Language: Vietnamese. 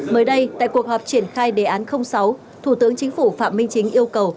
mới đây tại cuộc họp triển khai đề án sáu thủ tướng chính phủ phạm minh chính yêu cầu